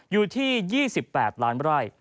อยู่ที่๒๘ล้านไร่